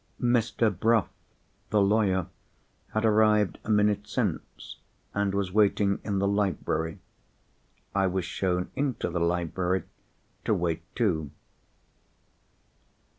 Mr. Bruff, the lawyer, had arrived a minute since and was waiting in the library. I was shown into the library to wait too.